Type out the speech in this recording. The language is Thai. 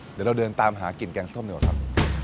เดี๋ยวเราเดินตามหากลิ่นแกงส้มดีกว่าครับ